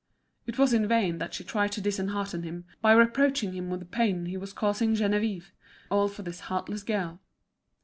It was in vain that she tried to dishearten him, by reproaching him with the pain he was causing Geneviève, all for this heartless girl.